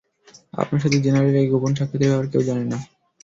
আপনার সাথে জেনারেলের এই গোপন সাক্ষাতের ব্যাপারে কেউই জানে না।